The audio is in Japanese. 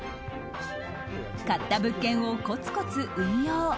買った物件をコツコツ運用。